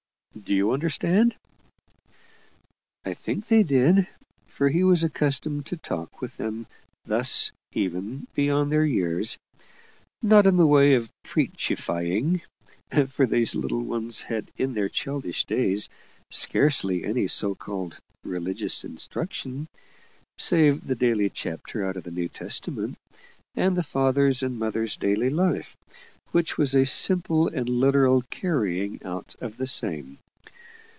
Do you understand?" I think they did, for he was accustomed to talk with them thus even beyond their years. Not in the way of preachifying for these little ones had in their childish days scarcely any so called "religious instruction," save the daily chapter out of the New Testament, and the father and mother's daily life, which was a simple and literal carrying out of the same.